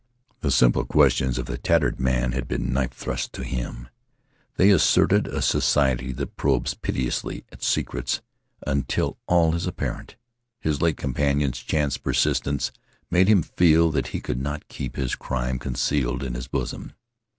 The simple questions of the tattered man had been knife thrusts to him. They asserted a society that probes pitilessly at secrets until all is apparent. His late companion's chance persistency made him feel that he could not keep his crime concealed in his bosom.